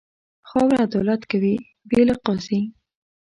خاوره عدالت کوي، بې له قاضي.